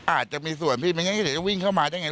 อาจจะมีส่วนพี่ไม่งั้นเดี๋ยวจะวิ่งเข้ามาได้ไง